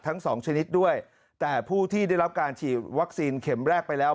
ทั้งสองชนิดด้วยแต่ผู้ที่ได้รับการฉีดวัคซีนเข็มแรกไปแล้ว